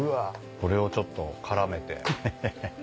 これをちょっと絡めてヘヘヘ。